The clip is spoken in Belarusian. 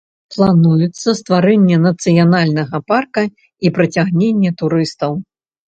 Плануецца стварэнне нацыянальнага парка і прыцягненне турыстаў.